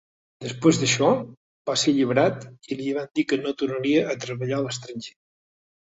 Després d'això, va ser alliberat i li van dir que no tornaria a treballar a l'estranger.